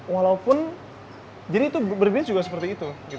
walaupun jadi itu berbeda juga seperti itu